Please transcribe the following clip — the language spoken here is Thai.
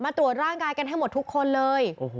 ตรวจร่างกายกันให้หมดทุกคนเลย